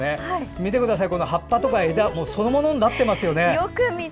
見てください、葉っぱとか枝そのものになってますよね。